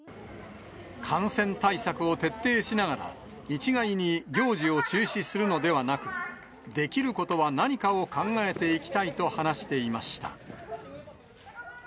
感染対策を徹底しながら、一概に行事を中止するのではなく、できることは何かを考えていきたいと話していました。